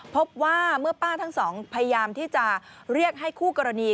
พบว่าเมื่อป้าทั้งสองพยายามที่จะเรียกให้คู่กรณี